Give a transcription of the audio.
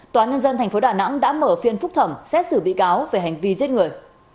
tòa nhân dân tp đà nẵng đã mở phiên phúc thẩm xét xử bị cáo về hành vi giết người